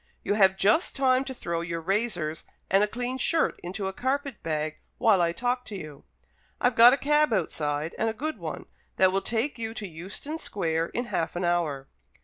You'll have just time to throw your razors and a clean shirt into a carpet bag while I talk to you. I've got a cab outside, and a good one, that will take you to Euston Square in half an hour."